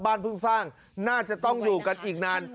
เพิ่งสร้างน่าจะต้องอยู่กันอีกนาน